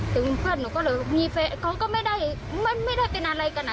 เพื่อนหนูก็เลยมีแฟนเขาก็ไม่ได้เป็นอะไรกันอ่ะ